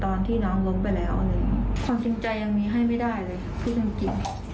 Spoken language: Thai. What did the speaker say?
บางทีเขาก็แบบพูดน้ำเสียงที่ไม่ดีใส